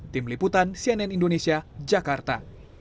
tim liputan cnn indonesia jakarta